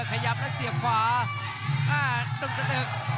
ขยับและเสียบขวาอ่านุ่มสะเติก